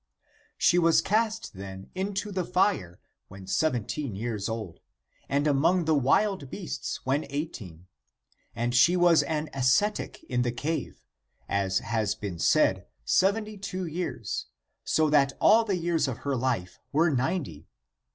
" She was cast, then, into the fire when seventeen years old, and among the wild beasts when eighteen. And she was an ascetic in the cave, as has been said, seventy two years, so that all the years of her life were ninety.